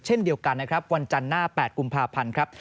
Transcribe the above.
เช่นเดียวกันนะครับวันจันทร์หน้า๘กุมภาพันธ์ครับ